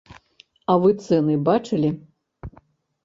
А вы цэны бачылі?